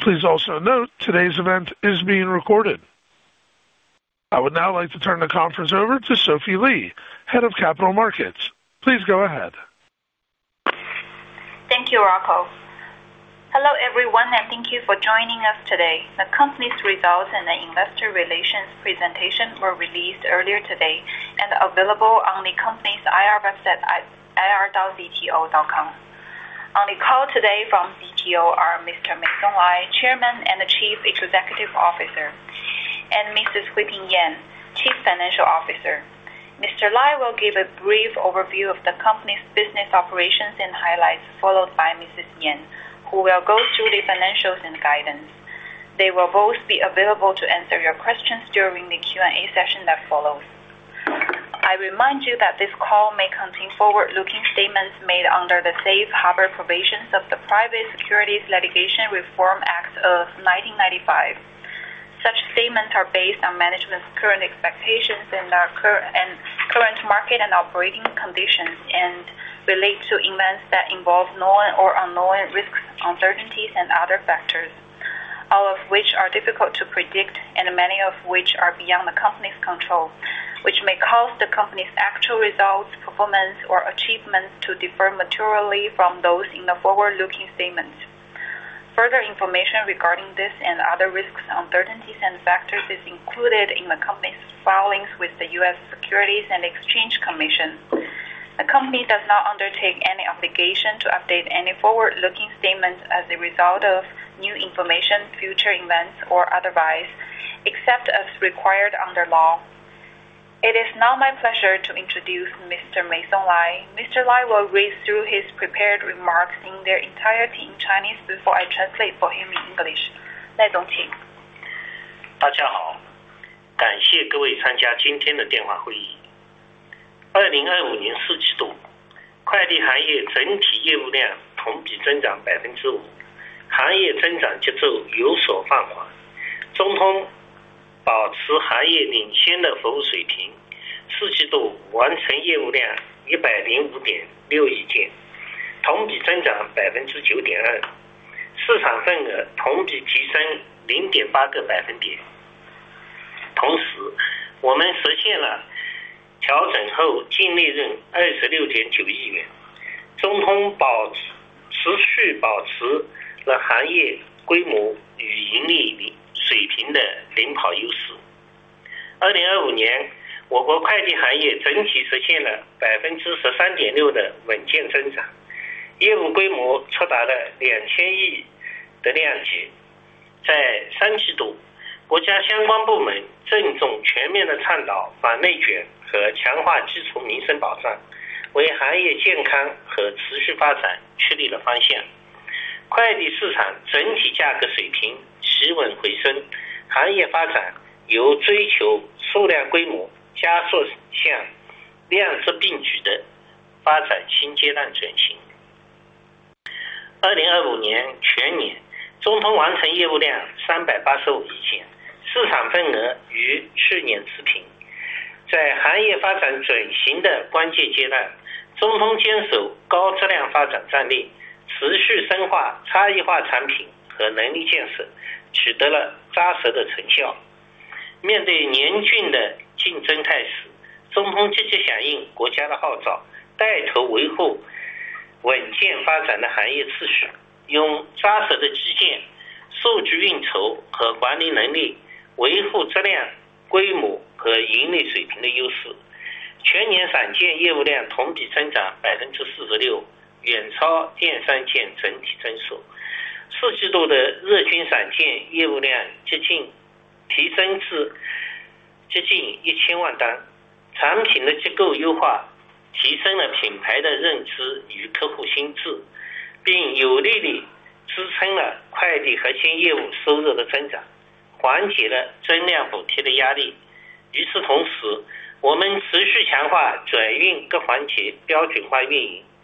Please also note today's event is being recorded. I would now like to turn the conference over to Sophie Li, Head of Capital Markets. Please go ahead. Thank you, Rocco. Hello, everyone, and thank you for joining us today. The company's results and the investor relations presentation were released earlier today and available on the company's IR website at ir.zto.com. On the call today from ZTO are Mr. Meisong Lai, Chairman and Chief Executive Officer, and Mrs. Huiping Yan, Chief Financial Officer. Mr. Lai will give a brief overview of the company's business operations and highlights, followed by Mrs. Yan, who will go through the financials and guidance. They will both be available to answer your questions during the Q&A session that follows. I remind you that this call may contain forward-looking statements made under the safe harbor provisions of the Private Securities Litigation Reform Act of 1995. Such statements are based on management's current expectations and our current market and operating conditions and relate to events that involve known or unknown risks, uncertainties and other factors, all of which are difficult to predict and many of which are beyond the company's control, which may cause the company's actual results, performance or achievements to differ materially from those in the forward-looking statements. Further information regarding this and other risks, uncertainties and factors is included in the company's filings with the U.S. Securities and Exchange Commission. The company does not undertake any obligation to update any forward-looking statements as a result of new information, future events or otherwise, except as required under law. It is now my pleasure to introduce Mr. Meisong Lai. Mr. Lai will read through his prepared remarks in their entirety in Chinese before I translate for him in English. 赖总，请。大家好，感谢各位参加今天的电话会议。2025年四季度，快递行业整体业务量同比增长5%，行业增长节奏有所放缓，中通保持行业领先的服务水平，四季度完成业务量105.6亿件，同比增长9.2%，市场份额同比提升0.8个百分点。同时我们实现了调整后净利润26.9亿元。中通持续保持了行业规模与盈利水平的领跑优势。2025年，我国快递行业整体实现了13.6%的稳健增长，业务规模突破了两千亿的量级。在三季度，国家相关部门郑重全面地倡导防内卷和强化基础民生保障，为行业健康和持续发展确立了方向。快递市场整体价格水平稳回升，行业发展由追求数量规模加速向量质并举的发展新阶段转型。2025年全年，中通完成业务量385亿件，市场份额与去年持平。在行业发展转型的关键阶段，中通坚守高质量发展战略，持续深化差异化产品和能力建设，取得了扎实的成效。面对严峻的竞争态势，中通积极响应国家的号召，带头维护稳健发展的行业秩序，用扎实的基建、数据运筹和管理能力，维护质量、规模和盈利水平的优势。全年闪件业务量同比增长46%，远超业三件整体增速。四季度的日均闪件业务量提升至接近一千万单。产品的结构优化提升了品牌的认知与客户心智，并有力地支撑了快递核心业务收入的增长，缓解了增量补贴的压力。与此同时，我们持续强化转运各环节标准化运营以及协同。运营效能与服务时效同步提升，全年单票运和分拣成本下降了六分。结合稳定的管理费用结构，全年调整后净利润达到95亿元。进入2026年，快递行业依托宏观经济稳健的基本面和防内卷政策的持续深化，进一步凝聚高质量发展的共识。当然，市场依然存在不确定性，量质并举的转型还需要深耕。中通将肩负行业与社会的责任，紧扣健康持续发展的战略策略，聚焦转运和末端能力建设，持续优化网络政策的公平性和透明度，夯实网络信任信心。下阶段的重点工作具体是：一、提升服务品质，筑牢品牌优势。这股导向同时注重则行则错，将公平和平台指数融入绩效考核，真正到感、到人、到行为。聚焦短板，专项整改。结合产品结构的不断优化，提升服务能力和差异化水平。二，深化降本增效，夯实成本优势。以全链路协同为核心，加速折分折送等模式落地，建立标准化成本线，可视化对比法，将降本目标圈透至末端个环节。通过波动监测深挖潜力，实现收转运派各环节行业成本效率最优。三，优化网络政策与激励机制，聚焦业务量稳健增长和成本效益的提升，对分额落后区域加大刺激的分析，确保分担机制的有效性，激励资源精准投放。四，坚守公平公正的导向，保障网络稳定，维护合作伙伴的权益与义务，平衡好利益分配，多劳多得，优胜劣汰。在保障网点及业务员合理收入的同时，支持赋能优质网点，帮扶治理落后网点，保护全网共生共赢的健康氛围。中国快递行业长期发展的前景依然良好，竞争态势将稳步趋向理性。随着头部企业持续回归内在价值，行业格局会继续分化并提高集中度。中通坚守长期发展的战略，服务质量、市场份额、合理利润三位一体。在行业由规模扩张向价值回归转变的阶段，我们只有坚持引领量质并举，拓展多样化和差异化的产品和服务，夯实支线规模底盘，发挥数字化运营的生产力，挖掘单到单降本提质的潜力，注重网络的长期稳定，才能把握机遇，穿越周期。二十多年来，做好自己对中通而言是万变之下的不变。我们会依托同建共享的理念，以务实的精神践行造就更多人幸福的使命，在行业高质量发展新征程中继续领跑，为中通生态创造持续长远的价值。谢谢。接下来由严总介绍财务结果和预示。Thank you, Chairman Lai. Please allow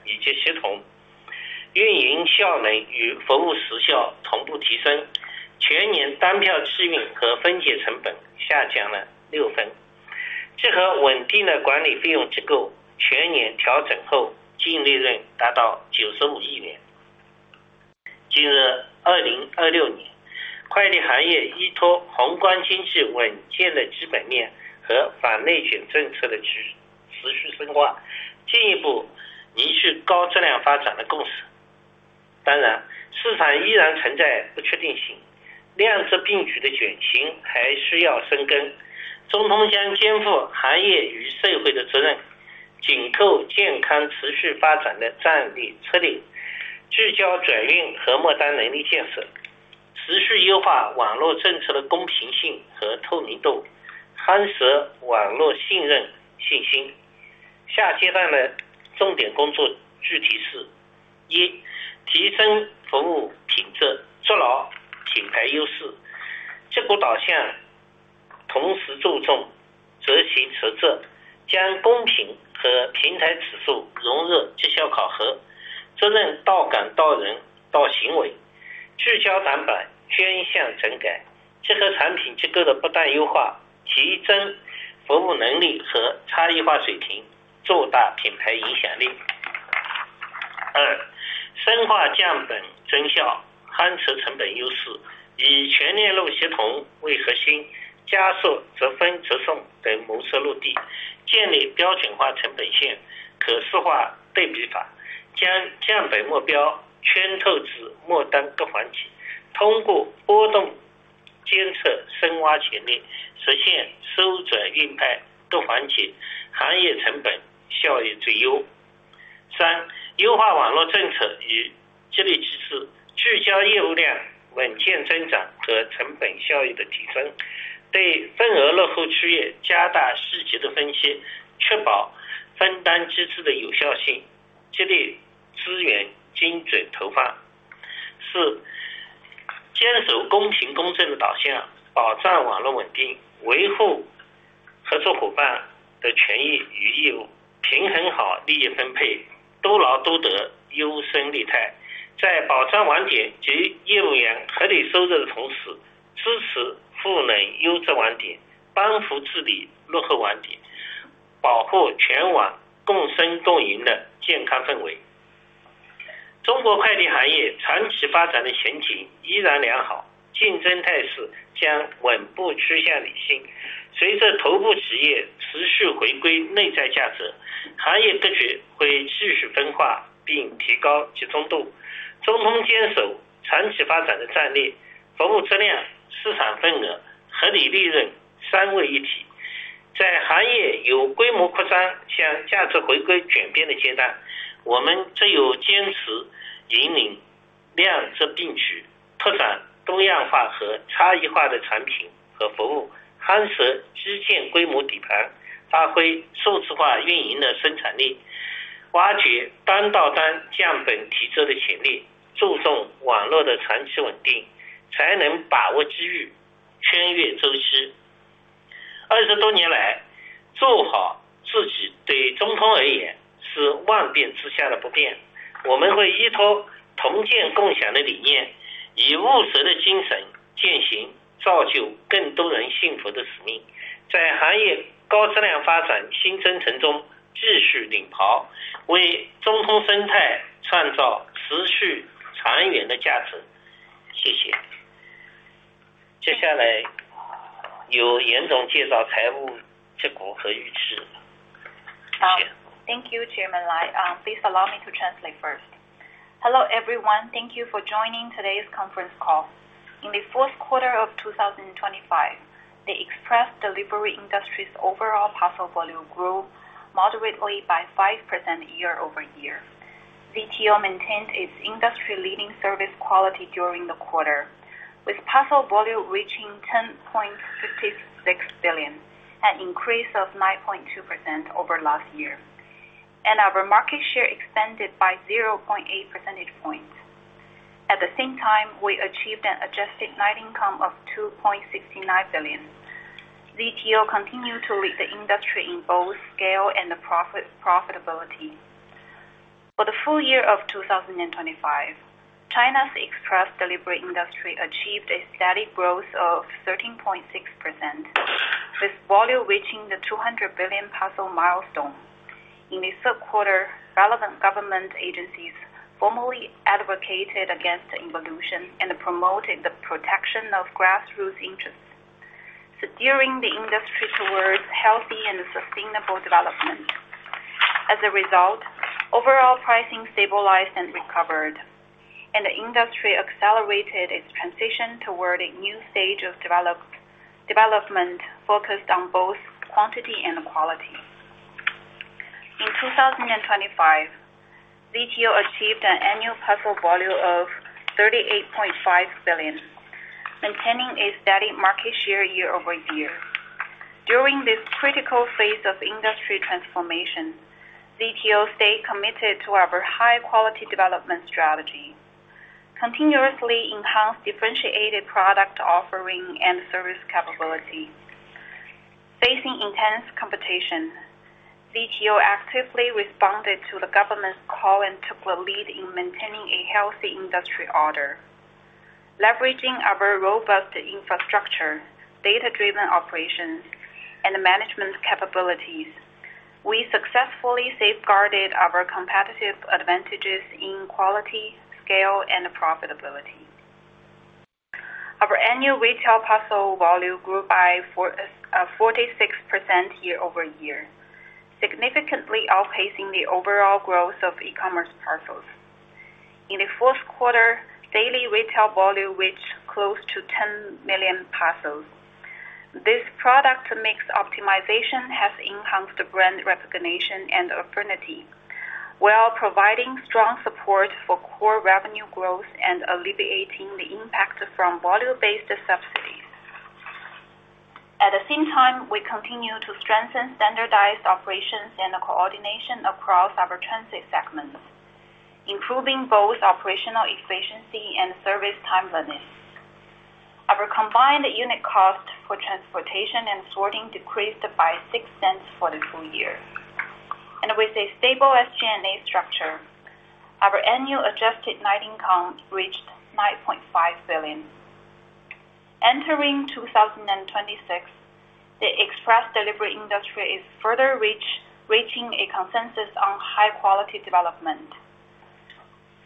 me to translate first. Hello, everyone. Thank you for joining today's conference call. In the fourth quarter of 2025, the express delivery industry's overall parcel volume grew moderately by 5% year-over-year. ZTO maintained its industry-leading service quality during the quarter, with parcel volume reaching 10.56 billion, an increase of 9.2% over last year, and our market share expanded by 0.8 percentage points. At the same time, we achieved an adjusted net income of 2.69 billion. ZTO continued to lead the industry in both scale and profitability. For the full year of 2025, China's express delivery industry achieved a steady growth of 13.6%, with volume reaching the 200 billion parcel milestone. In the third quarter, relevant government agencies formally advocated against involution and promoted the protection of grassroots interests, steering the industry towards healthy and sustainable development. As a result, overall pricing stabilized and recovered, and the industry accelerated its transition toward a new stage of development focused on both quantity and quality. In 2025, ZTO achieved an annual parcel volume of 38.5 billion, maintaining a steady market share year-over-year. During this critical phase of industry transformation, ZTO stayed committed to our high-quality development strategy, continuously enhanced differentiated product offering and service capability. Facing intense competition, ZTO actively responded to the government's call and took the lead in maintaining a healthy industry order. Leveraging our robust infrastructure, data-driven operations, and management capabilities, we successfully safeguarded our competitive advantages in quality, scale, and profitability. Our annual retail parcel volume grew by 46% year-over-year, significantly outpacing the overall growth of e-commerce parcels. In the fourth quarter, daily retail volume reached close to 10 million parcels. This product mix optimization has enhanced brand recognition and affinity while providing strong support for core revenue growth and alleviating the impact from volume-based subsidies. At the same time, we continue to strengthen standardized operations and coordination across our transit segments, improving both operational efficiency and service timeliness. Our combined unit cost for transportation and sorting decreased by 0.06 for the full year. With a stable SG&A structure, our annual adjusted net income reached 9.5 billion. Entering 2026, the express delivery industry is further reaching a consensus on high-quality development.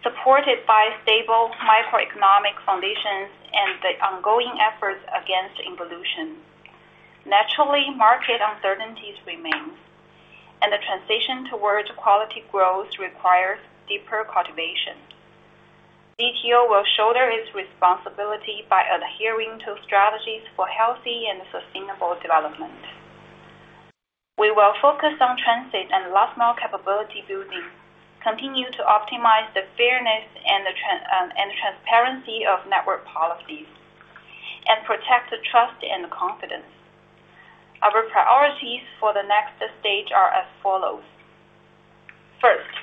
Supported by stable microeconomic foundations and the ongoing efforts against involution. Naturally, market uncertainties remain, and the transition towards quality growth requires deeper cultivation. ZTO will shoulder its responsibility by adhering to strategies for healthy and sustainable development. We will focus on transit and last-mile capability building, continue to optimize the fairness and transparency of network policies, and protect the trust and confidence. Our priorities for the next stage are as follows. First,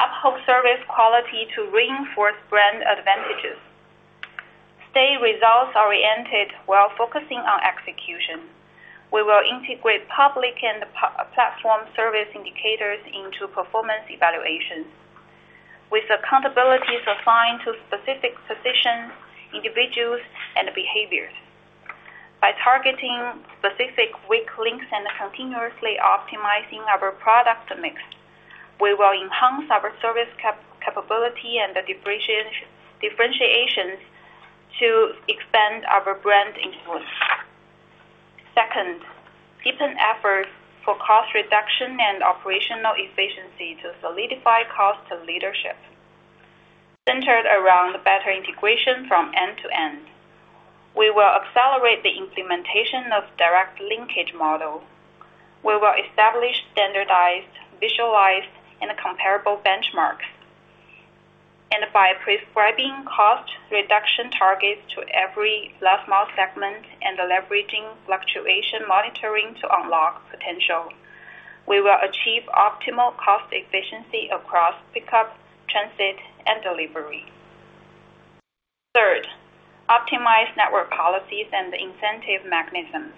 uphold service quality to reinforce brand advantages. Stay results-oriented while focusing on execution. We will integrate public and platform service indicators into performance evaluations. With accountability assigned to specific positions, individuals, and behaviors. By targeting specific weak links and continuously optimizing our product mix, we will enhance our service capability and the differentiation to expand our brand influence. Second, deepen efforts for cost reduction and operational efficiency to solidify cost leadership. Centered around better integration from end to end. We will accelerate the implementation of direct linkage model. We will establish standardized, visualized, and comparable benchmarks. By prescribing cost reduction targets to every last-mile segment and leveraging fluctuation monitoring to unlock potential, we will achieve optimal cost efficiency across pickup, transit, and delivery. Third, optimize network policies and incentive mechanisms.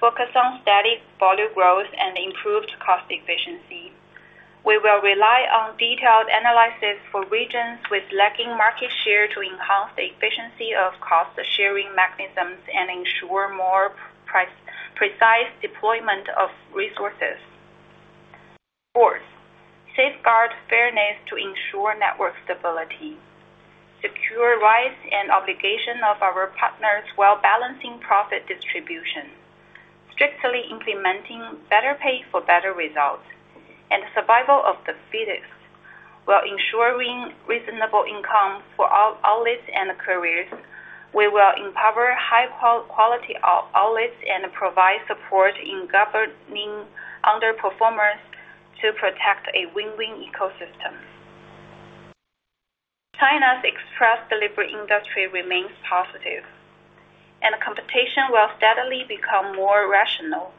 Focus on steady volume growth and improved cost efficiency. We will rely on detailed analysis for regions with lacking market share to enhance the efficiency of cost-sharing mechanisms and ensure more precise deployment of resources. Fourth, safeguard fairness to ensure network stability. Secure rights and obligations of our partners while balancing profit distribution. Strictly implementing better pay for better results and survival of the fittest while ensuring reasonable income for outlets and couriers. We will empower high quality outlets and provide support in governing underperformers to protect a win-win ecosystem. China's express delivery industry remains positive, and competition will steadily become more rational.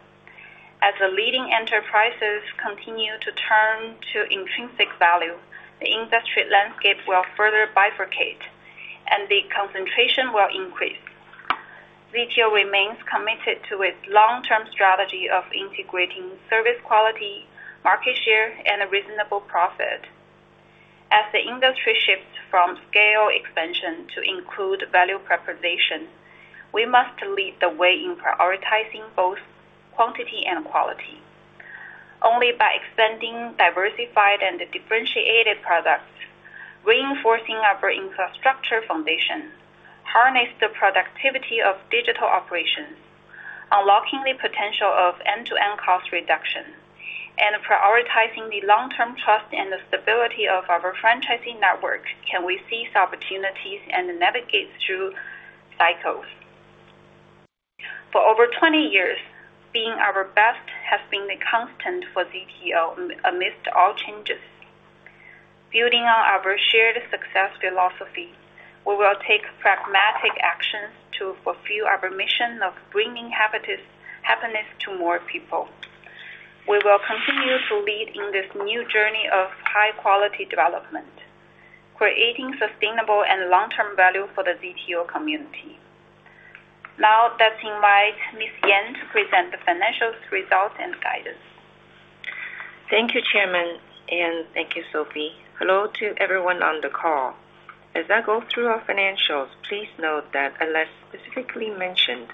As the leading enterprises continue to turn to intrinsic value, the industry landscape will further bifurcate, and deconcentration will increase. ZTO remains committed to its long-term strategy of integrating service quality, market share, and a reasonable profit. As the industry shifts from scale expansion to include value proposition, we must lead the way in prioritizing both quantity and quality. Only by extending diversified and differentiated products, reinforcing our infrastructure foundation, harness the productivity of digital operations, unlocking the potential of end-to-end cost reduction, and prioritizing the long-term trust and the stability of our franchising network can we seize opportunities and navigate through cycles. For over 20 years, being our best has been the constant for ZTO amidst all changes. Building on our shared success philosophy, we will take pragmatic actions to fulfill our mission of bringing happiness to more people. We will continue to lead in this new journey of high-quality development, creating sustainable and long-term value for the ZTO community. Now, let's invite Ms. Yan to present the financial results and guidance. Thank you, Chairman, and thank you, Sophie. Hello to everyone on the call. As I go through our financials, please note that unless specifically mentioned,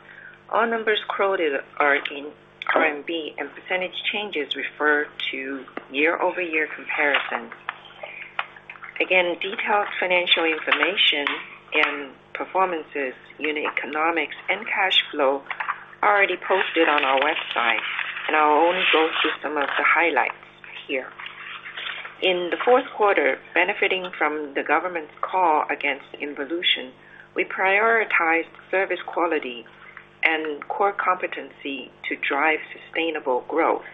all numbers quoted are in RMB, and percentage changes refer to year-over-year comparison. Again, detailed financial information and performances, unit economics, and cash flow are already posted on our website, and I'll only go through some of the highlights here. In the fourth quarter, benefiting from the government's call against involution, we prioritized service quality and core competency to drive sustainable growth.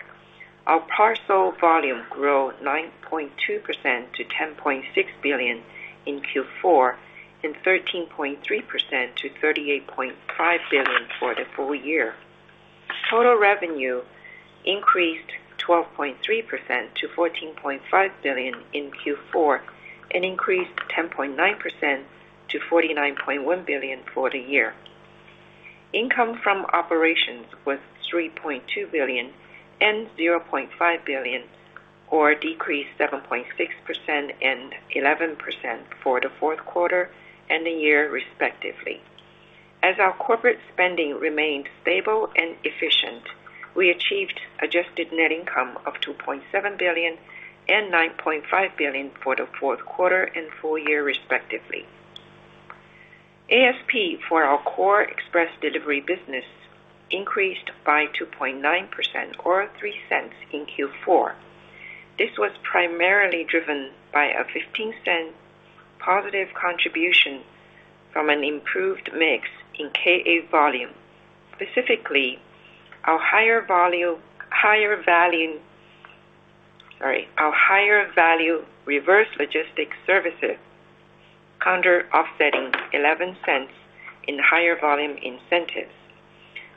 Our parcel volume grew 9.2% to 10.6 billion in Q4 and 13.3% to 38.5 billion for the full year. Total revenue increased 12.3% to 14.5 billion in Q4 and increased 10.9% to 49.1 billion for the year. Income from operations was 3.2 billion and 0.5 billion, or decreased 7.6% and 11% for the fourth quarter and the year respectively. As our corporate spending remained stable and efficient, we achieved adjusted net income of 2.7 billion and 9.5 billion for the fourth quarter and full year respectively. ASP for our core express delivery business increased by 2.9% or 3 cents in Q4. This was primarily driven by a 15-cent positive contribution from an improved mix in KA volume. Specifically, our higher value reverse logistics services counter offsetting 11 cents in higher volume incentives.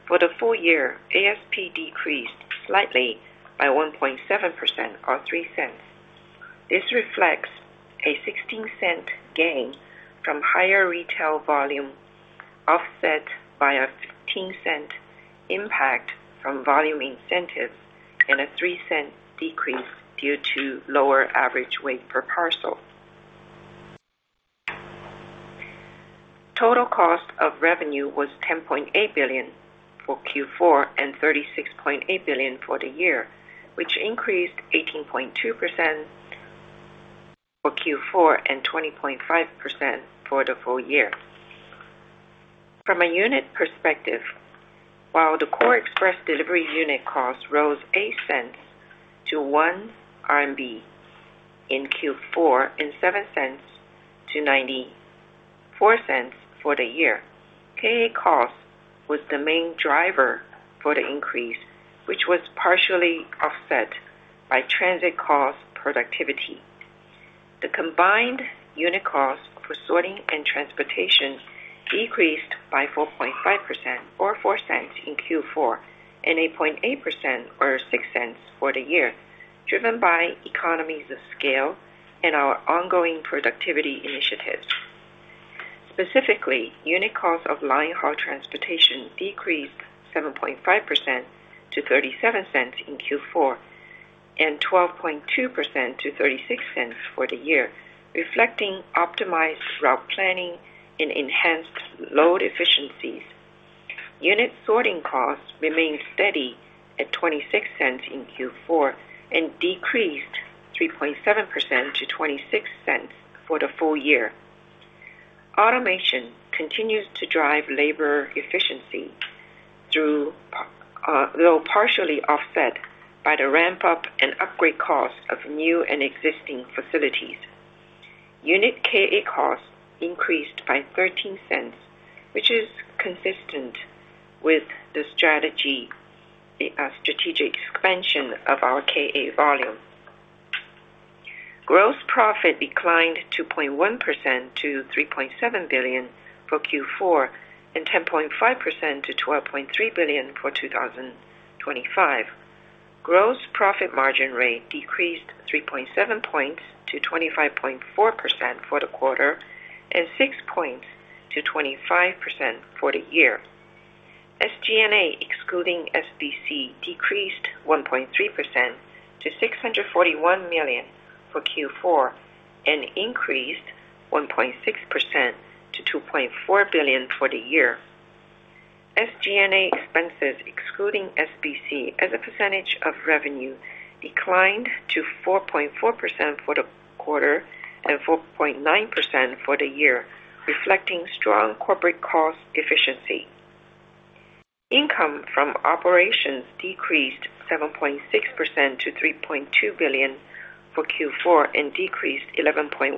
For the full year, ASP decreased slightly by 1.7% or 0.03. This reflects a 0.16 gain from higher retail volume, offset by a 0.15 impact from volume incentives and a 0.03 decrease due to lower average weight per parcel. Total cost of revenue was 10.8 billion for Q4 and 36.8 billion for the year, which increased 18.2% for Q4 and 20.5% for the full year. From a unit perspective, while the core express delivery unit cost rose 0.08 to 1 RMB in Q4 and 0.07 to 0.94 for the year, KA cost was the main driver for the increase, which was partially offset by transit cost productivity. The combined unit cost for sorting and transportation decreased by 4.5% or $0.04 in Q4, and 8.8% or $0.06 for the year, driven by economies of scale and our ongoing productivity initiatives. Specifically, unit cost of line haul transportation decreased 7.5% to $0.37 in Q4 and 12.2% to $0.36 for the year, reflecting optimized route planning and enhanced load efficiencies. Unit sorting costs remained steady at $0.26 in Q4 and decreased 3.7% to $0.26 for the full year. Automation continues to drive labor efficiency through, though partially offset by the ramp-up and upgrade costs of new and existing facilities. Unit KA costs increased by $0.13, which is consistent with the strategy, the strategic expansion of our KA volume. Gross profit declined 2.1% to 3.7 billion for Q4 and 10.5% to 12.3 billion for 2025. Gross profit margin rate decreased 3.7 points to 25.4% for the quarter and 6 points to 25% for the year. SG&A excluding SBC decreased 1.3% to 641 million for Q4 and increased 1.6% to 2.4 billion for the year. SG&A expenses excluding SBC as a percentage of revenue declined to 4.4% for the quarter and 4.9% for the year, reflecting strong corporate cost efficiency. Income from operations decreased 7.6% to 3.2 billion for Q4 and decreased 11.1%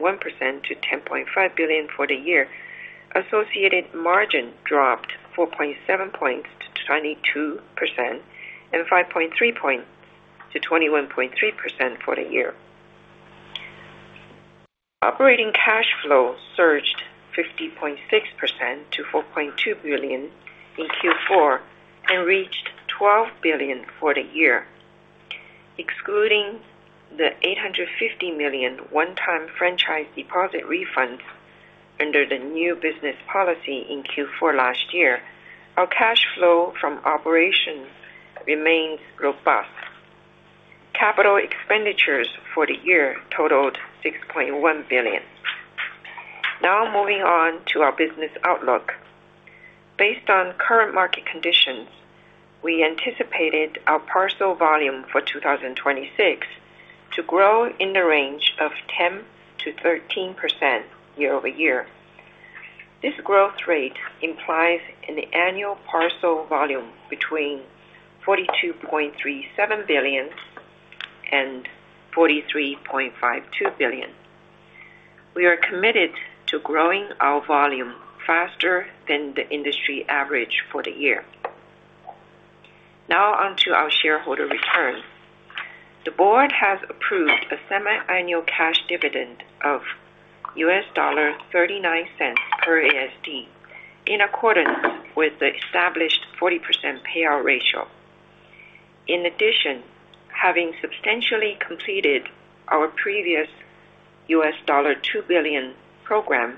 to 10.5 billion for the year. Associated margin dropped 4.7 points to 22% and 5.3 points to 21.3% for the year. Operating cash flow surged 50.6% to 4.2 billion in Q4 and reached 12 billion for the year. Excluding the 850 million one-time franchise deposit refunds under the new business policy in Q4 last year, our cash flow from operations remained robust. Capital expenditures for the year totaled 6.1 billion. Now moving on to our business outlook. Based on current market conditions, we anticipate our parcel volume for 2026 to grow in the range of 10%-13% year-over-year. This growth rate implies an annual parcel volume between 42.37 billion and 43.52 billion. We are committed to growing our volume faster than the industry average for the year. Now on to our shareholder return. The board has approved a semi-annual cash dividend of $0.39 per ADS, in accordance with the established 40% payout ratio. In addition, having substantially completed our previous $2 billion program,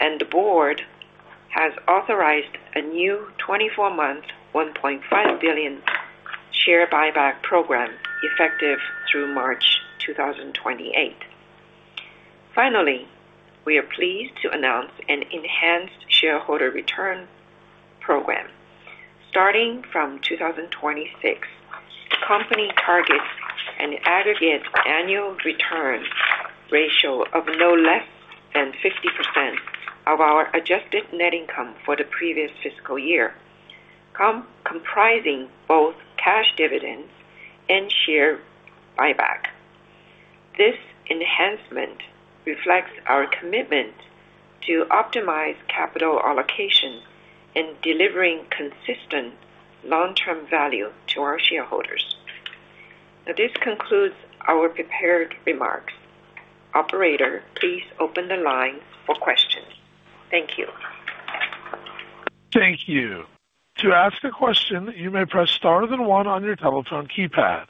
the board has authorized a new 24-month, $1.5 billion share buyback program effective through March 2028. Finally, we are pleased to announce an enhanced shareholder return program starting from 2026. The company targets an aggregate annual return ratio of no less than 50% of our adjusted net income for the previous fiscal year, comprising both cash dividends and share buyback. This enhancement reflects our commitment to optimize capital allocation in delivering consistent long-term value to our shareholders. This concludes our prepared remarks. Operator, please open the line for questions. Thank you. Thank you. To ask a question, you may press star then one on your telephone keypad.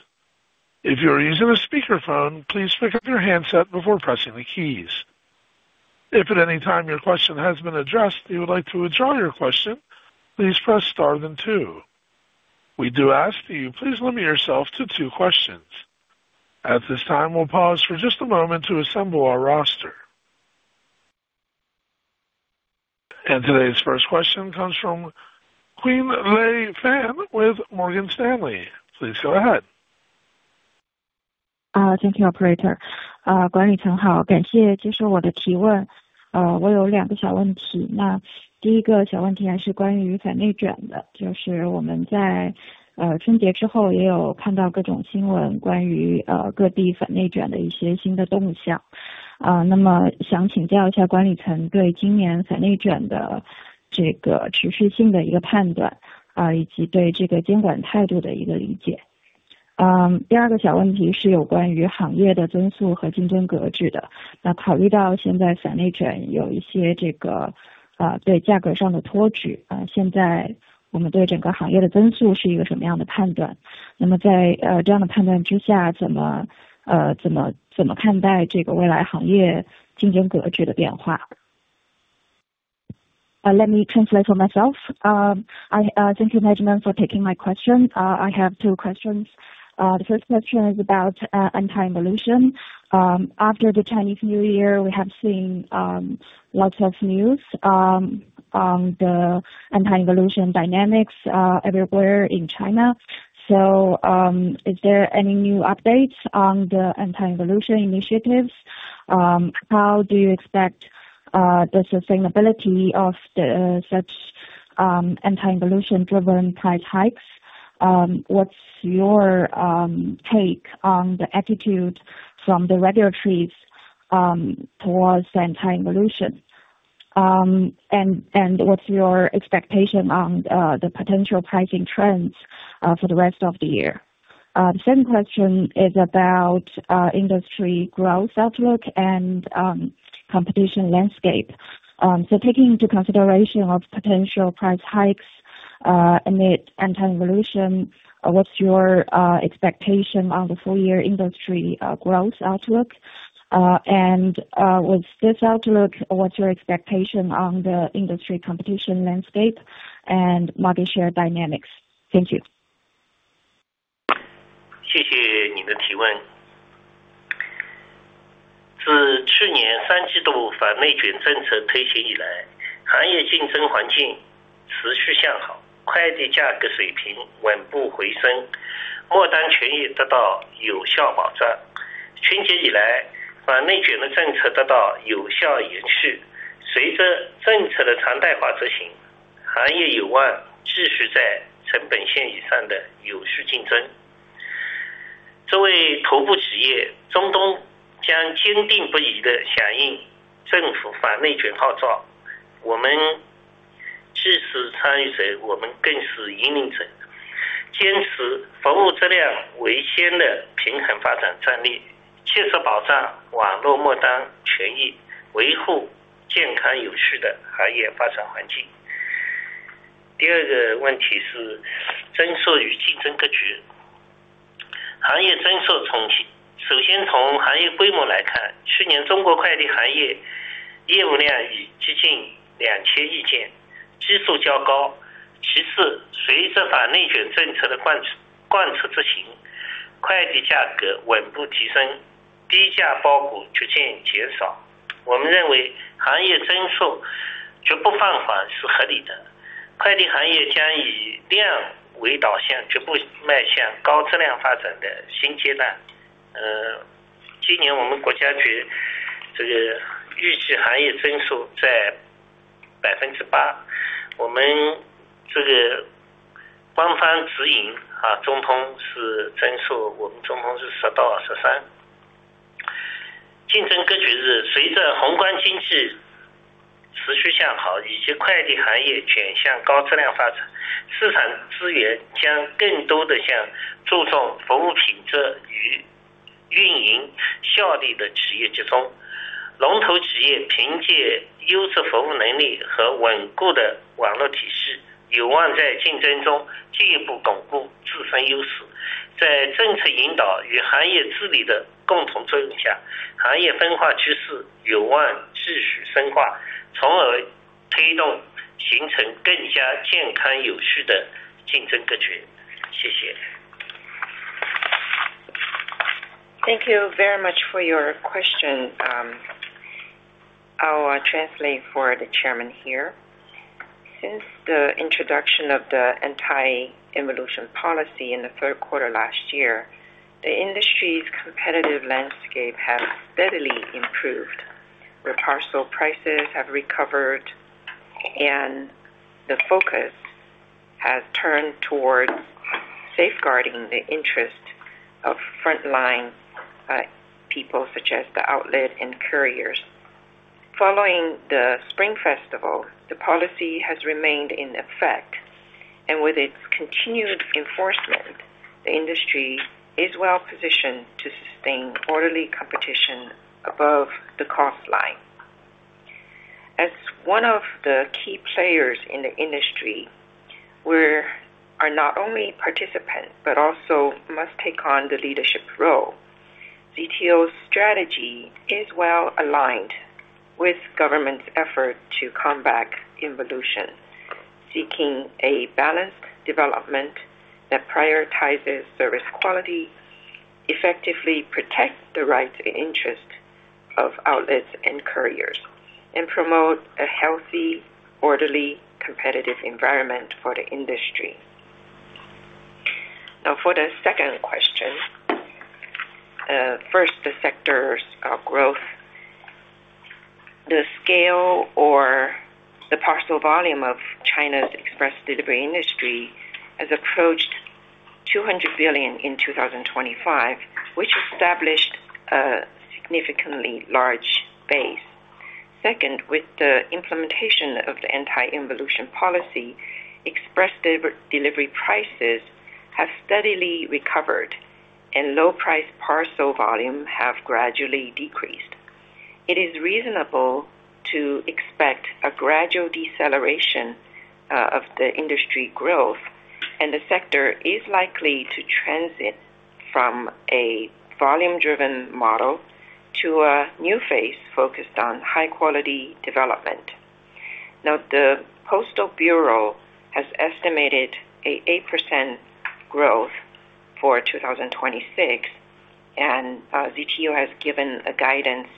If you are using a speakerphone, please pick up your handset before pressing the keys. If at any time your question has been addressed you would like to withdraw your question, please press star then two. We do ask that you please limit yourself to two questions. At this time, we'll pause for just a moment to assemble our roster. Today's first question comes from Qianlei Fan with Morgan Stanley. Please go ahead. Thank you, operator. 管理层好，感谢接受我的提问。我有两个小问题，那第一个小问题是关于反内卷的，就是我们在春节之后也有看到各种新闻关于各地反内卷的一些新的动向，那么想请教一下管理层对今年反内卷的这个持续性的一个判断，以及对这个监管态度的一个理解。第二个小问题是有关于行业的增速和竞争格局的。那考虑到现在反内卷有一些这个对价格上的托举，现在我们对整个行业的增速是一个什么样的判断？那么在这样的判断之下，怎么看待这个未来行业竞争格局的变化？ Let me translate for myself. Thank you, management, for taking my question. I have two questions. The first question is about anti-involution. After the Chinese New Year, we have seen lots of news on the anti-involution dynamics everywhere in China. So is there any new updates on the anti-involution initiatives? How do you expect the sustainability of such anti-involution driven price hikes? What's your take on the attitude from the regulators towards anti-involution? What's your expectation on the potential pricing trends for the rest of the year? The second question is about industry growth outlook and competition landscape. Taking into consideration of potential price hikes amid anti-involution, what's your expectation on the full year industry growth outlook? With this outlook, what's your expectation on the industry competition landscape and market share dynamics? Thank you. 谢谢你的提问。自去年三季度反内卷政策推行以来，行业竞争环境持续向好，快递价格水平稳步回升，末端权益得到有效保障。春节以来，反内卷的政策得到有效延续。随着政策的长效法执行，行业有望继续在成本线以上的有序竞争。作为头部企业，中通将坚定不移地响应政府反内卷号召。我们既是参与者，我们更是引领者，坚持服务质量为先的平衡发展战略，切实保障网络末端权益，维护健康有序的行业发展环境。第二个问题是增速与竞争格局。首先从行业规模来看，去年中国快递行业业务量已接近两千亿件，基数较高。其次，随着反内卷政策的贯彻执行，快递价格稳步提升，低价包裹逐渐减少。我们认为行业增速逐步放缓是合理的。快递行业将以量为导向，逐步迈向高质量发展的新阶段。今年我们国家对预期行业增速在8%，我们这个官方指引，中通的增速，我们中通是10%到23%。竞争格局随着宏观经济持续向好以及快递行业转向高质量发展，市场资源将更多地向注重服务品质与运营效率的企业倾斜。Thank you very much for your question. I'll translate for the chairman here. Since the introduction of the anti-involution policy in the third quarter last year, the industry's competitive landscape has steadily improved. The parcel prices have recovered and the focus has turned towards safeguarding the interest of frontline people such as the outlet and couriers. Following the Spring Festival, the policy has remained in effect, and with its continued enforcement, the industry is well-positioned to sustain orderly competition above the cost line. As one of the key players in the industry, we are not only participants, but also must take on the leadership role. ZTO's strategy is well aligned with government's effort to combat involution, seeking a balanced development that prioritizes service quality, effectively protect the rights and interest of outlets and couriers, and promote a healthy, orderly, competitive environment for the industry. Now, for the second question. First, the sector's growth. The scale or the parcel volume of China's express delivery industry has approached 200 billion in 2025, which established a significantly large base. Second, with the implementation of the anti-involution policy, express delivery prices have steadily recovered and low price parcel volume have gradually decreased. It is reasonable to expect a gradual deceleration of the industry growth, and the sector is likely to transition from a volume-driven model to a new phase focused on high-quality development. Now, the State Post Bureau has estimated 8% growth for 2026, and ZTO has given a guidance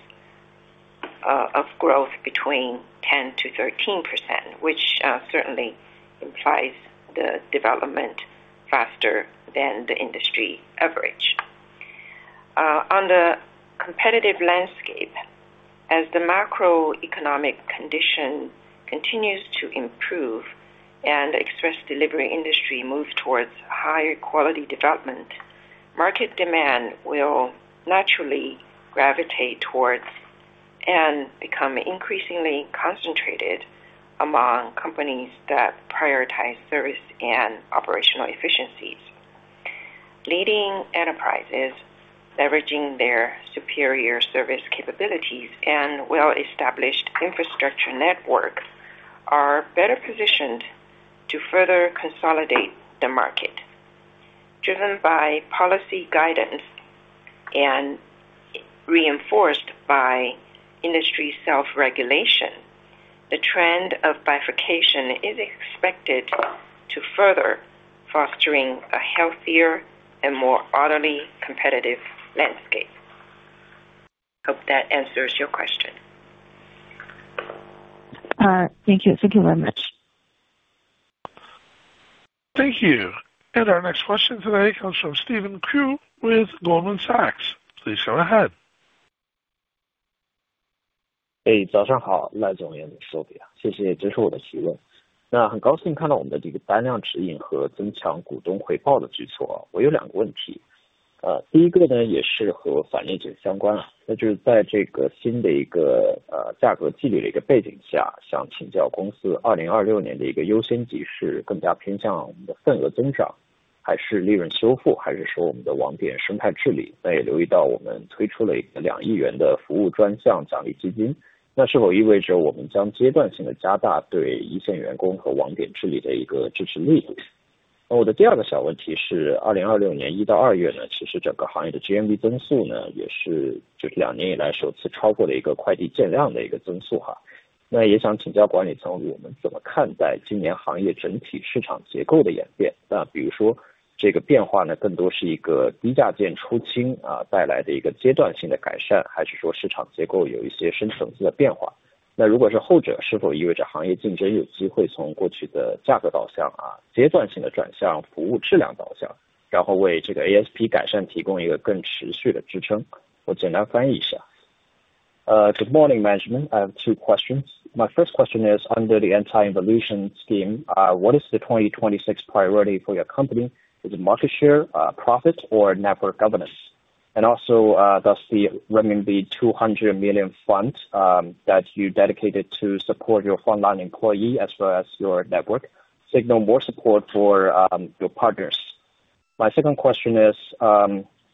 of growth between 10%-13%, which certainly implies the development faster than the industry average. On the competitive landscape, as the macroeconomic condition continues to improve and express delivery industry moves towards higher quality development, market demand will naturally gravitate towards and become increasingly concentrated among companies that prioritize service and operational efficiencies. Leading enterprises leveraging their superior service capabilities and well-established infrastructure network are better positioned to further consolidate the market. Driven by policy guidance and reinforced by industry self-regulation, the trend of bifurcation is expected to further foster a healthier and more orderly competitive landscape. Hope that answers your question. Thank you. Thank you very much. Thank you. Our next question today comes from Steven Xu with Goldman Sachs. Please go ahead. Good morning, management. I have two questions. My first question is under the anti-involution scheme, what is the 2026 priority for your company? Is it market share, profits or network governance? And also, does the renminbi 200 million fund that you dedicated to support your frontline employee as well as your network signify more support for your partners? My second question is,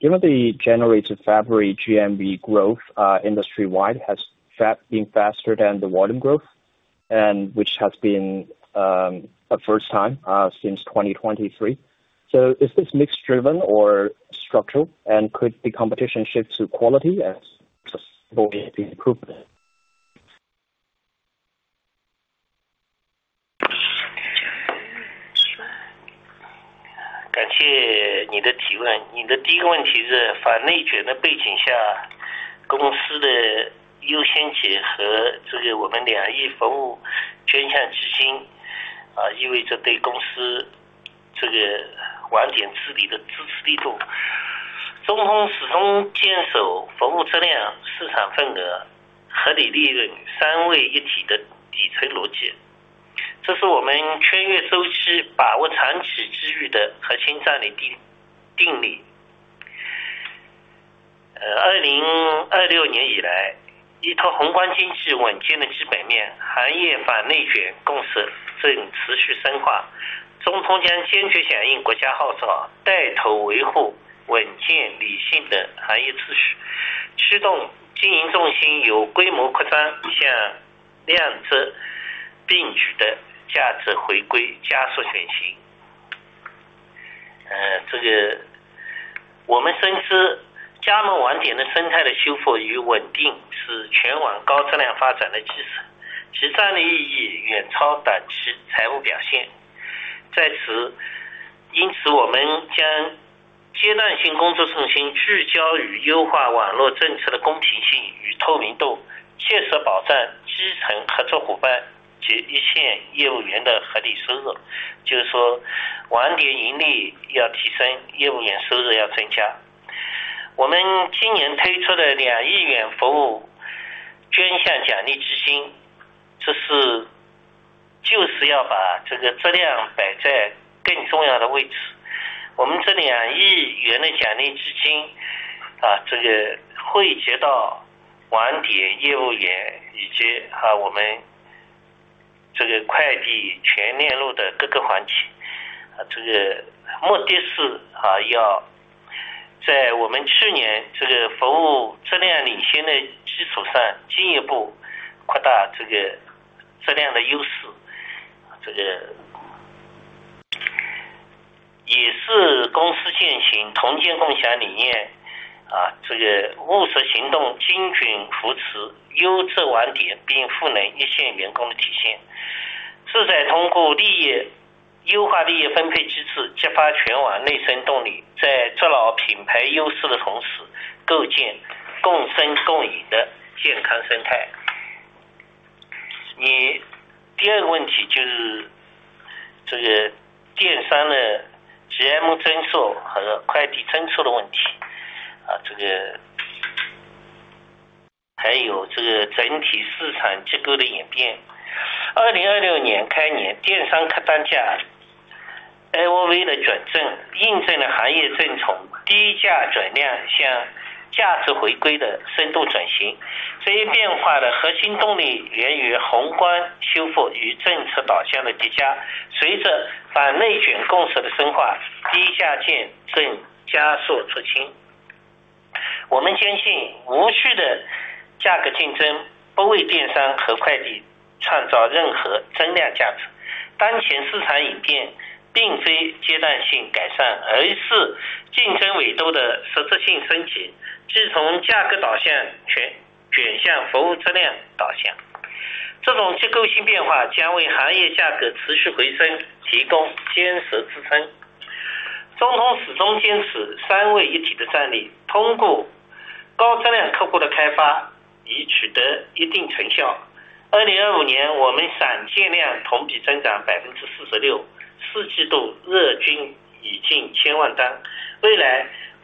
given the January to February GMV growth, industry-wide has been faster than the volume growth, and which has been the first time since 2023. Is this mixed driven or structural? And could the competition shift to quality as improved?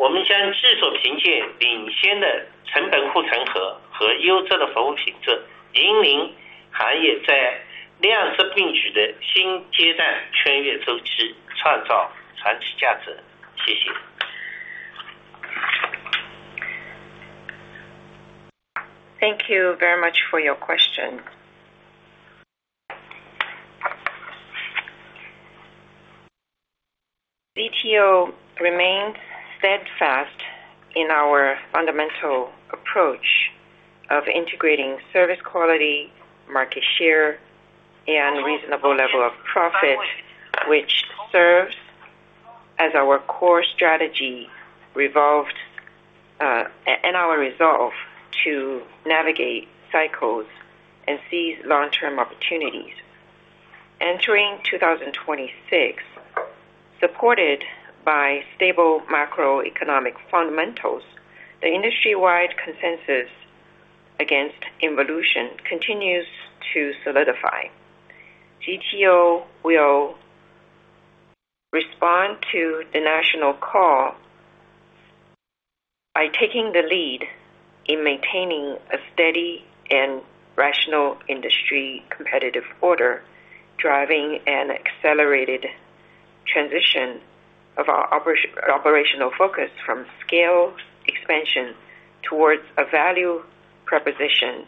Thank you very much for your question. ZTO remains steadfast in our fundamental approach of integrating service quality, market share, and reasonable level of profit, which serves as our core strategy revolves around and our resolve to navigate cycles and seize long-term opportunities. Entering 2026, supported by stable macroeconomic fundamentals, the industry-wide consensus against involution continues to solidify. ZTO will respond to the national call by taking the lead in maintaining a steady and rational industry competitive order, driving an accelerated transition of our operational focus from scale expansion towards a value proposition.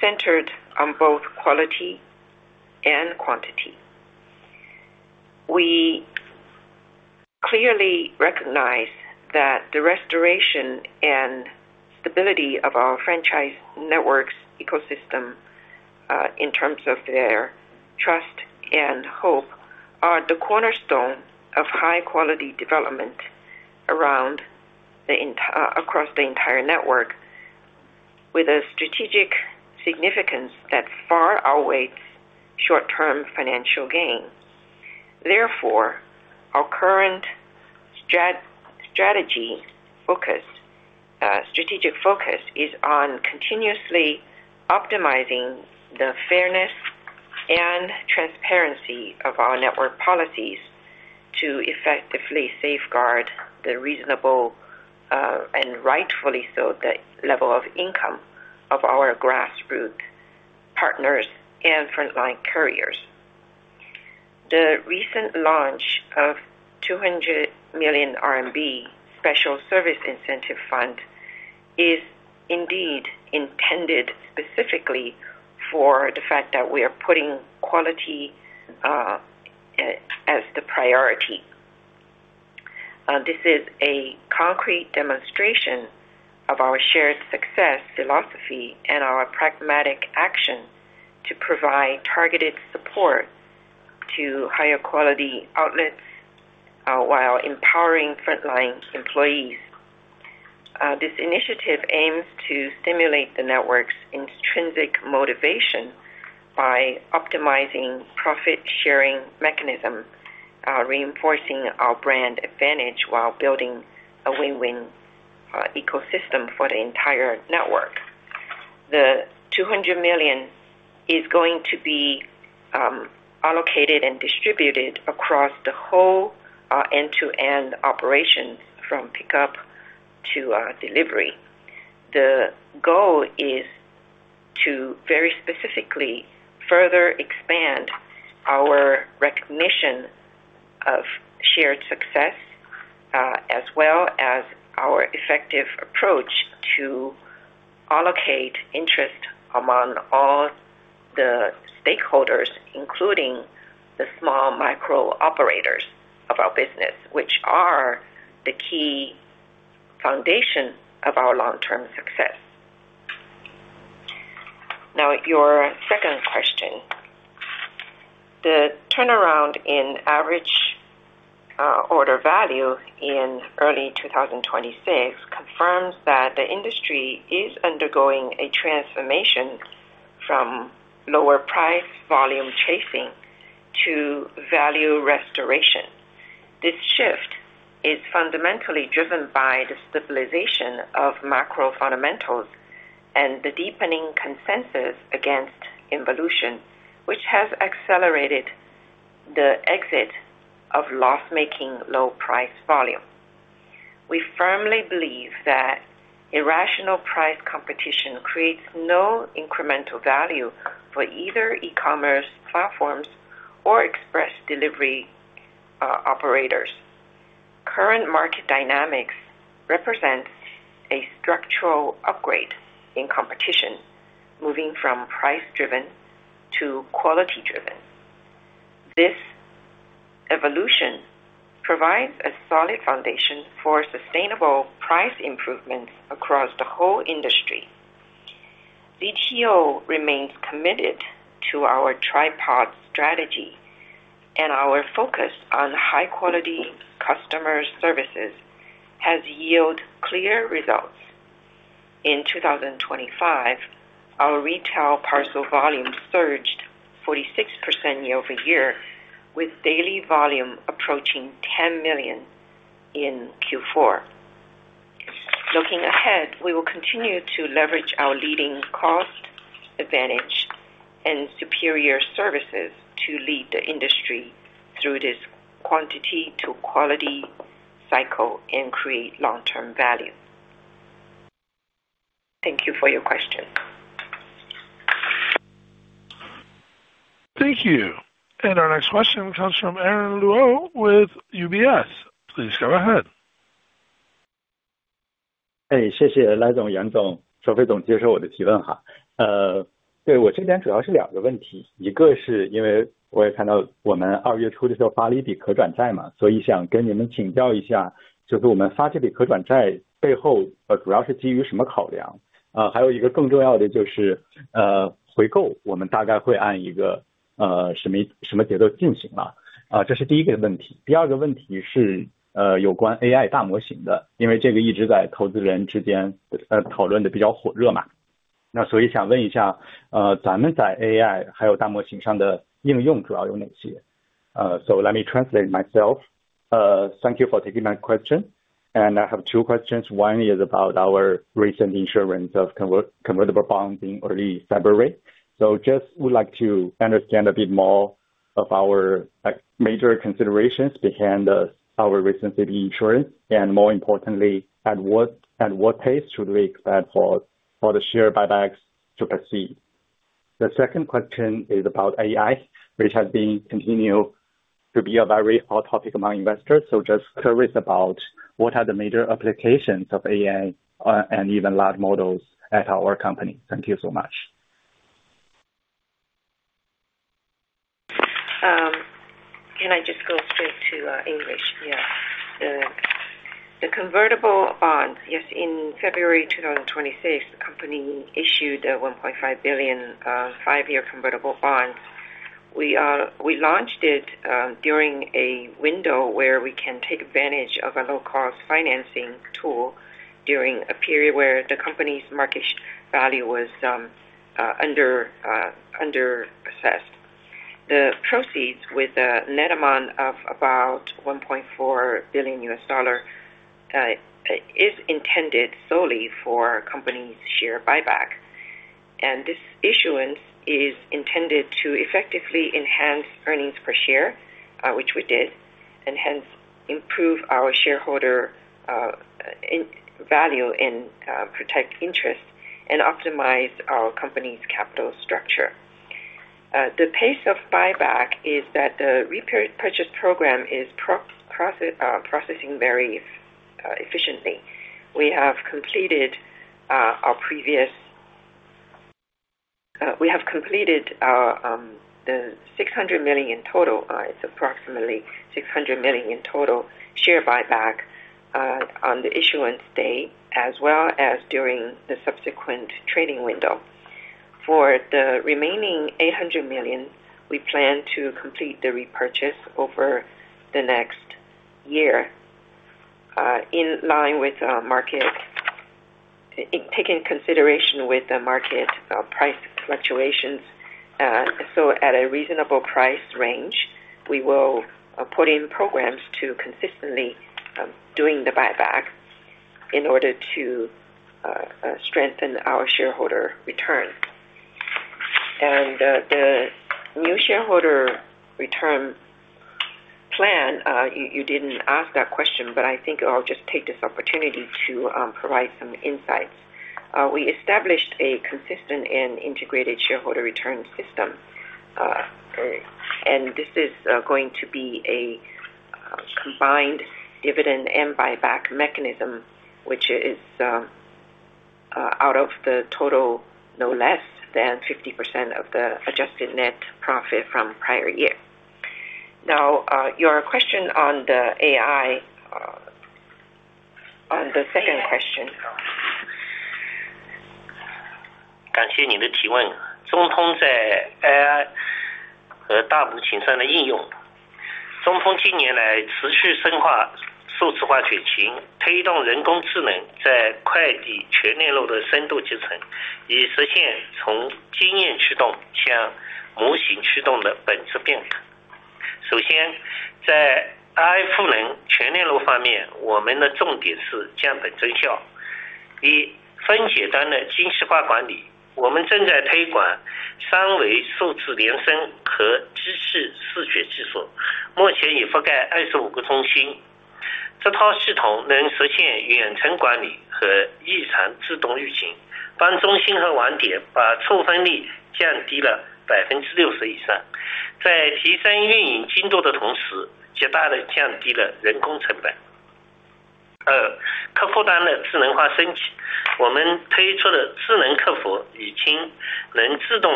Centered on both quality and quantity. We clearly recognize that the restoration and stability of our franchise networks ecosystem, in terms of their trust and hope are the cornerstone of high quality development across the entire network with a strategic significance that far outweighs short-term financial gain. Therefore, our current strategic focus is on continuously optimizing the fairness and transparency of our network policies to effectively safeguard the reasonable, and rightfully so, the level of income of our grassroots partners and frontline couriers. The recent launch of 200 million RMB special service incentive fund is indeed intended specifically for the fact that we are putting quality, as the priority. This is a concrete demonstration of our shared success philosophy and our pragmatic action to provide targeted support to higher quality outlets, while empowering frontline employees. This initiative aims to stimulate the network's intrinsic motivation by optimizing profit sharing mechanism, reinforcing our brand advantage while building a win-win, ecosystem for the entire network. The 200 million is going to be, allocated and distributed across the whole, end-to-end operation from pickup to, delivery. The goal is to very specifically further expand our recognition of shared success, as well as our effective approach to allocate interest among all the stakeholders, including the small micro operators of our business which are the key foundation of our long-term success. Now your second question. The turnaround in average order value in early 2026 confirms that the industry is undergoing a transformation from lower price volume chasing to value restoration. This shift is fundamentally driven by the stabilization of macro fundamentals and the deepening consensus against involution, which has accelerated the exit of loss-making low price volume. We firmly believe that irrational price competition creates no incremental value for either e-commerce platforms or express delivery operators. Current market dynamics represent a structural upgrade in competition, moving from price-driven to quality-driven. This evolution provides a solid foundation for sustainable price improvements across the whole industry. ZTO remains committed to our tripod strategy, and our focus on high quality customer services has yielded clear results. In 2025, our retail parcel volume surged 46% year-over-year, with daily volume approaching 10 million in Q4. Looking ahead, we will continue to leverage our leading cost advantage and superior services to lead the industry through this quantity to quality cycle and create long-term value. Thank you for your question. Thank you. Our next question comes from Aaron Luo with UBS. Please go ahead. Let me translate myself. Thank you for taking my question. I have two questions. One is about our recent issuance of convertible bonds in early February. I would like to understand a bit more of our major considerations behind our recent CB issuance and more importantly, at what pace should we expect for the share buybacks to proceed? The second question is about AI, which has been continuing to be a very hot topic among investors, so just curious about what are the major applications of AI and even large models at our company. Thank you so much. Can I just go straight to English? Yeah. The convertible bonds. Yes, in February 2026, the company issued a $1.5 billion, five-year convertible bonds. We launched it during a window where we can take advantage of a low-cost financing tool during a period where the company's market value was underassessed. The proceeds with a net amount of about $1.4 billion is intended solely for company's share buyback. This issuance is intended to effectively enhance earnings per share, which we did, and hence improve our shareholder value and protect interest and optimize our company's capital structure. The pace of buyback is that the repurchase program is processing very efficiently. We have completed our previous... We have completed the 600 million in total. It's approximately 600 million in total share buyback on the issuance date as well as during the subsequent trading window. For the remaining 800 million, we plan to complete the repurchase over the next year, taking into consideration the market price fluctuations. At a reasonable price range, we will put in programs to consistently doing the buyback in order to strengthen our shareholder return. The new shareholder return plan, you didn't ask that question, but I think I'll just take this opportunity to provide some insights. We established a consistent and integrated shareholder return system and this is going to be a combined dividend and buyback mechanism, which is out of the total, no less than 50% of the adjusted net profit from prior year. Now, your question on the AI, on the second question.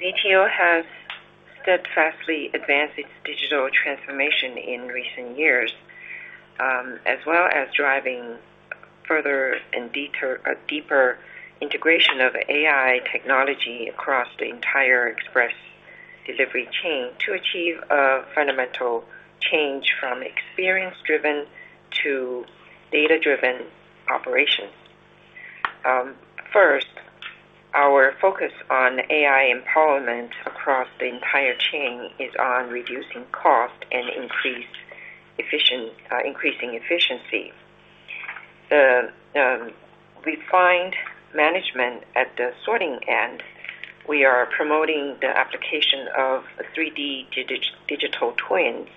ZTO has steadfastly advanced its digital transformation in recent years, as well as driving further and deeper integration of AI technology across the entire express delivery chain to achieve a fundamental change from experience-driven to data-driven operations. First, our focus on AI empowerment across the entire chain is on reducing cost and increasing efficiency. The refined management at the sorting end, we are promoting the application of 3D digital twins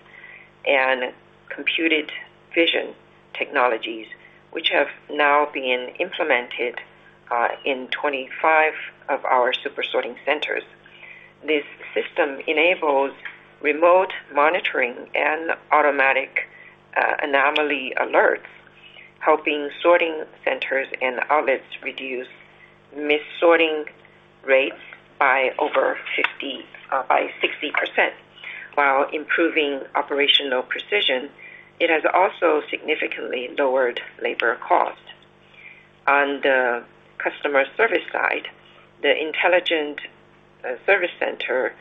and computer vision technologies, which have now been implemented in 25 of our super sorting centers. This system enables remote monitoring and automatic anomaly alerts, helping sorting centers and outlets reduce missorting rates by over 60% while improving operational precision. It has also significantly lowered labor cost. On the customer service side, the intelligent service center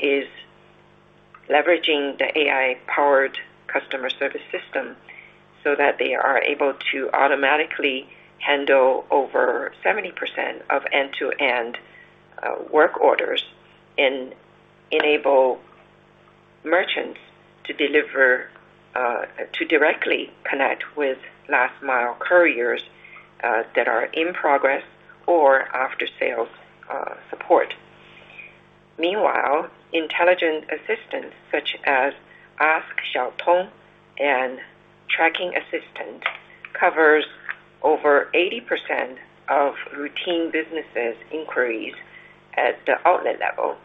is leveraging the AI-powered customer service system so that they are able to automatically handle over 70% of end-to-end work orders and enable merchants to directly connect with last mile couriers that are in progress or after-sales support. Meanwhile, intelligent assistants such as Ask Xiaotong and Tracking Assistant covers over 80% of routine businesses inquiries at the outlet level,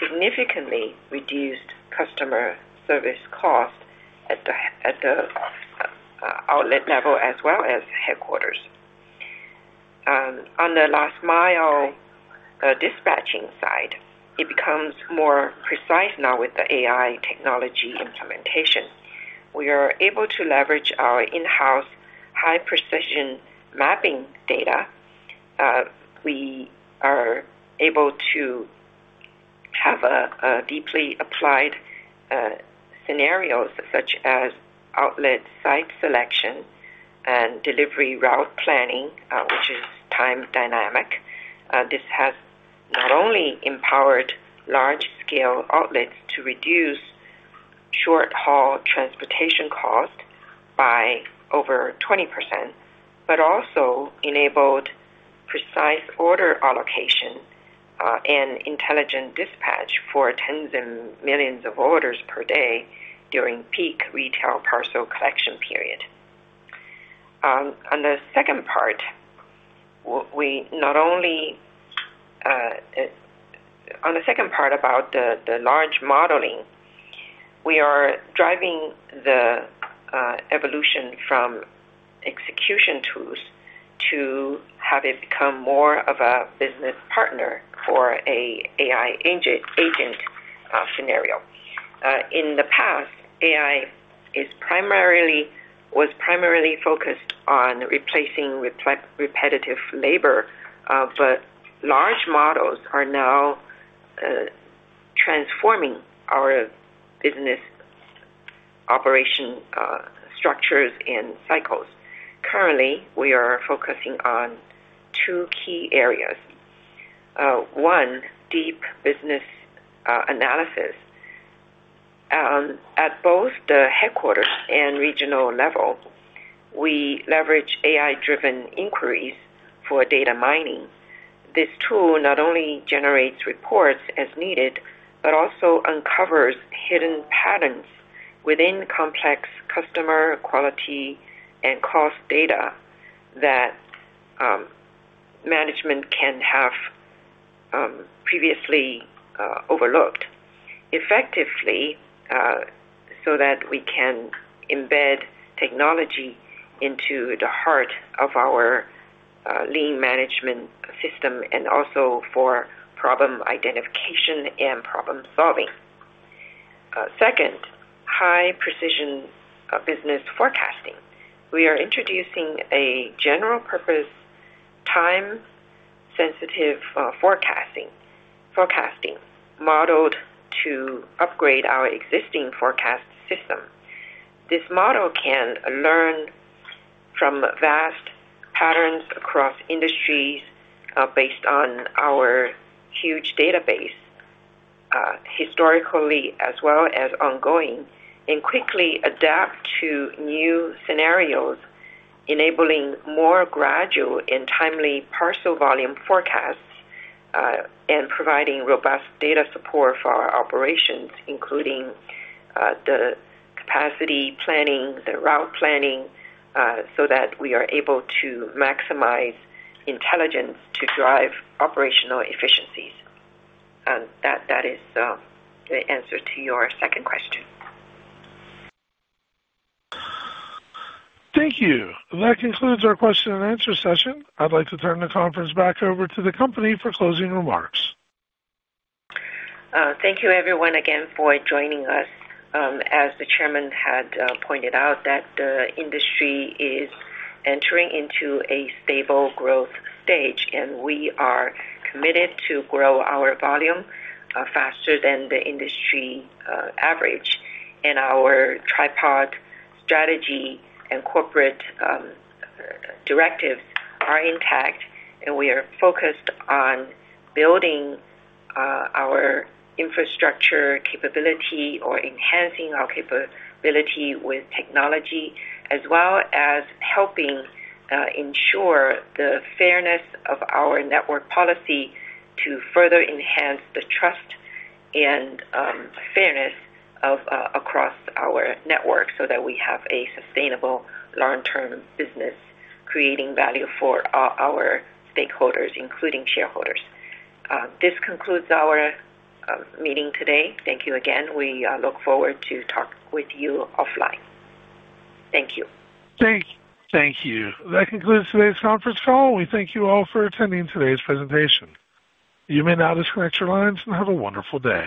significantly reduced customer service cost at the outlet level as well as headquarters. On the last mile dispatching side, it becomes more precise now with the AI technology implementation. We are able to leverage our in-house high precision mapping data. We are able to have a deeply applied scenarios such as outlet site selection and delivery route planning, which is time dynamic. This has not only empowered large scale outlets to reduce short-haul transportation cost by over 20%, but also enabled precise order allocation and intelligent dispatch for tens of millions of orders per day during peak retail parcel collection period. On the second part, we not only... On the second part about the large model, we are driving the evolution from execution tools to have it become more of a business partner for an AI agent scenario. In the past, AI was primarily focused on replacing repetitive labor, but large models are now transforming our business operation structures and cycles. Currently, we are focusing on two key areas. One, deep business analysis. At both the headquarters and regional level, we leverage AI-driven inquiries for data mining. This tool not only generates reports as needed, but also uncovers hidden patterns within complex customer quality and cost data that management can have previously overlooked effectively, so that we can embed technology into the heart of our lean management system and also for problem identification and problem-solving. Second, high precision business forecasting. We are introducing a general purpose time-sensitive forecasting model to upgrade our existing forecast system. This model can learn from vast patterns across industries, based on our huge database, historically as well as ongoing, and quickly adapt to new scenarios, enabling more gradual and timely parcel volume forecasts, and providing robust data support for our operations, including the capacity planning, the route planning, so that we are able to maximize intelligence to drive operational efficiencies. That is the answer to your second question. Thank you. That concludes our question and answer session. I'd like to turn the conference back over to the company for closing remarks. Thank you everyone again for joining us. As the Chairman had pointed out that the industry is entering into a stable growth stage, and we are committed to grow our volume faster than the industry average, and our tripod strategy and corporate directives are intact, and we are focused on building our infrastructure capability or enhancing our capability with technology, as well as helping ensure the fairness of our network policy to further enhance the trust and fairness across our network, so that we have a sustainable long-term business, creating value for our stakeholders, including shareholders. This concludes our meeting today. Thank you again. We look forward to talk with you offline. Thank you. Thank you. That concludes today's conference call. We thank you all for attending today's presentation. You may now disconnect your lines, and have a wonderful day.